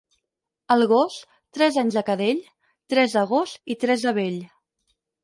El gos, tres anys de cadell, tres de gos i tres de vell.